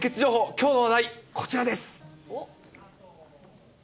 きょうの話題、こちらです。